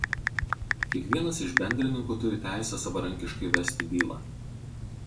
Kiekvienas iš bendrininkų turi teisę savarankiškai vesti bylą.